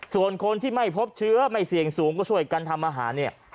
ส่วนคนที่ไม่พบเชื้อไม่เสี่ยงสูงก็ช่วยกันทำอาหารเนี่ย